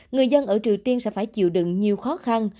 người dân ở triều tiên sẽ phải chịu đựng nhiều khó khăn